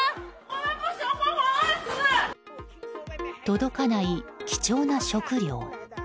届かない貴重な食料。